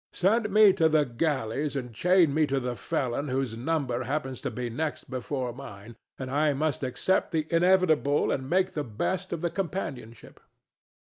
Send me to the galleys and chain me to the felon whose number happens to be next before mine; and I must accept the inevitable and make the best of the companionship.